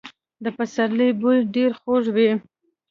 د پسرلي بوی ډېر خوږ وي.